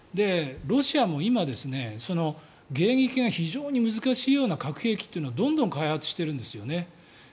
ロシアも今迎撃が非常に難しいような核兵器というのをどんどん開発してるんですよね。